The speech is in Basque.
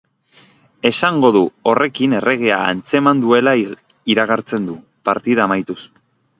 Esango du, horrekin erregea atzeman duela iragartzen du, partida amaituz.